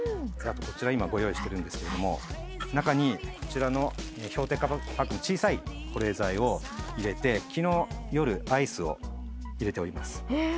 あとこちら今ご用意してるんですけれども中にこちらの氷点下パックの小さい保冷剤を入れて昨日夜アイスを入れております。